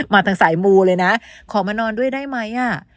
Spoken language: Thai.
ทางสายมูเลยนะขอมานอนด้วยได้ไหม